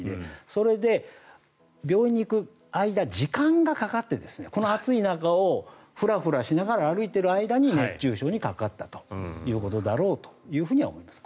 それで病院に行く間時間がかかってこの暑い中をフラフラしながら歩いている間に熱中症にかかったということだろうと思います。